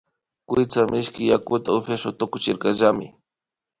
Kuytsa mishki yakuta upiashpa tukuchirkallami